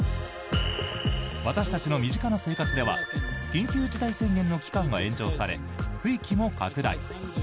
私たちの身近な生活では緊急事態宣言の期間が延長され区域も拡大。